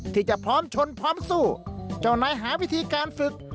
ที่จะพร้อมชนพร้อมสู้เจ้านายหาวิธีการฝึก